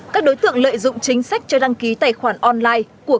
các đối tượng lợi dụng chính sách cho đăng ký tài khoản online